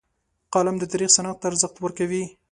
قلم د تاریخ سند ته ارزښت ورکوي